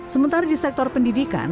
sementara di sektor pendidikan